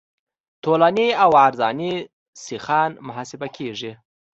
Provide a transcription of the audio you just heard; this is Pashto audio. طولاني او عرضاني سیخان محاسبه کیږي